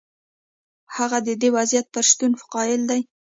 هغه د دې وضعیت پر شتون قایل دی.